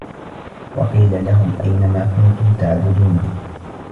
وَقيلَ لَهُم أَينَ ما كُنتُم تَعبُدونَ